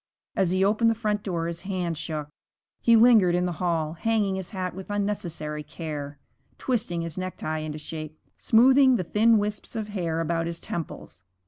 As he opened the front door his hand shook. He lingered in the hall, hanging his hat with unnecessary care, twisting his necktie into shape, smoothing the thin wisps of hair about his temples.